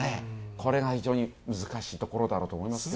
これが、非常に難しいところだろうと思いますけど。